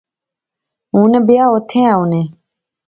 ہن بیاۃ اوتھیں ایہہ ہونے